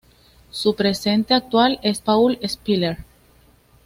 Su presidente actual es Paul Spiller.